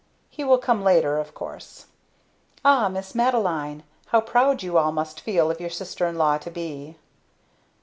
"He will come later, of course. Ah, Miss Madeline! How proud you all must feel of your sister in law to be!"